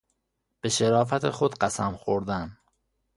به شرافت خود قسم خوردن